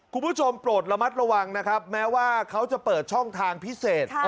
โปรดระมัดระวังนะครับแม้ว่าเขาจะเปิดช่องทางพิเศษ